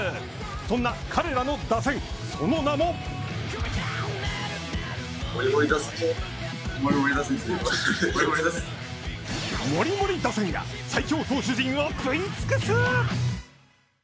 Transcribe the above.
そんな彼らの打線、その名ももりもり打線が最強投手陣を食い尽くす！